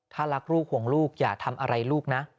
ถ้ารักลูกห่วงลูกอย่าทำอะไรลูกนะ